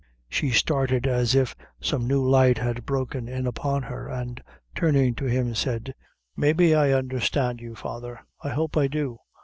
She started, as if some new light had broken in upon her, and turning to him, said "Maybe I undherstand you, father I hope I do.